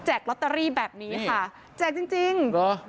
ลอตเตอรี่แบบนี้ค่ะแจกจริงจริงเหรอ